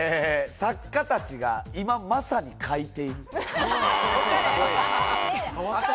作家たちが今まさに書いている。